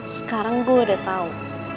sekarang gua udah tau